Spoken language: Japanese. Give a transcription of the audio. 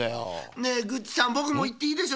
ねえグッチさんぼくもいっていいでしょ？